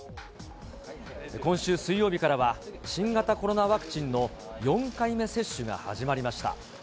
今週水曜日からは、新型コロナワクチンの４回目接種が始まりました。